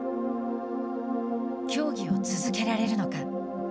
競技を続けられるのか。